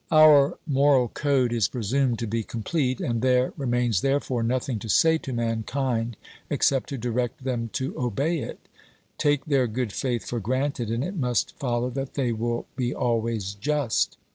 Our moral code is presumed to be complete, and there OBERMANN 367 remains therefore nothing to say to mankind except to direct them to obey it ; take their good faith for granted, and it must follow that they will be always just.